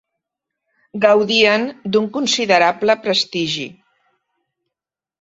Gaudien d'un considerable prestigi.